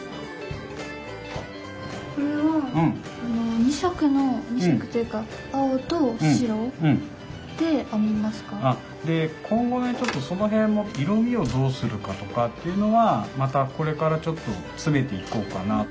これは２色の２色というか今後ねちょっとその辺も色味をどうするかとかっていうのはまたこれからちょっと詰めていこうかなと。